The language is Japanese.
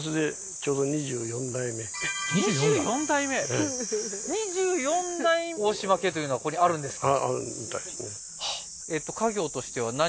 ええ２４代大島家というのはここにあるんですか？